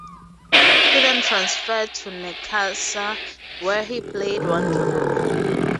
He then transferred to Necaxa where he played one tournament.